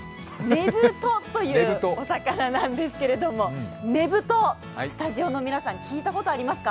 ねぶとというお魚なんですが、ねぶと、スタジオの皆さん、聞いたことありますか？